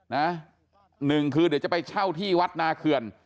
หนึ่งคือเดี๋ยวจะไปเช่าที่วัดนาเขื่อน